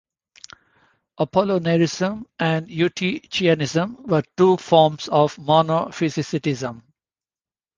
Apollinarism and Eutychianism were two forms of monophysitism.